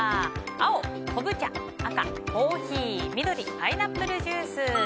青、昆布茶赤、コーヒー緑、パイナップルジュース。